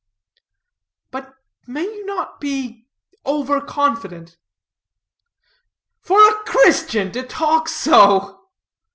"But may you not be over confident?" "For a Christian to talk so!"